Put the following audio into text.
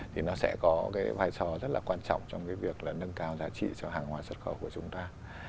thì nó sẽ có cái vai trò rất là quan trọng trong cái việc là nâng cao giá trị cho hàng hóa xuất khẩu của chúng ta